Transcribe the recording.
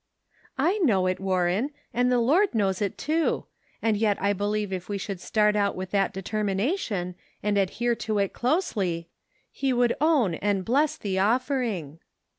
"I know it, Warren, and the Lord knows it, too ; and 3ret I believe if we should start out with that determination, and adhere to it closely, he would own and bless the of fering."